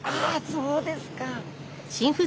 そうですか。